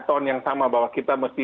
ton yang sama bahwa kita mesti